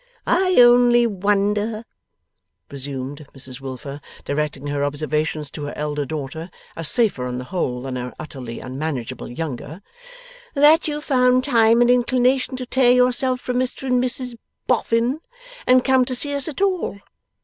'I only wonder,' resumed Mrs Wilfer, directing her observations to her elder daughter, as safer on the whole than her utterly unmanageable younger, 'that you found time and inclination to tear yourself from Mr and Mrs Boffin, and come to see us at all.